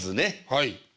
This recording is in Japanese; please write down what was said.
はい。